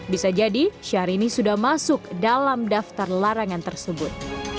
bisa jadi syahrini sudah masuk dalam daftar larangan tersebut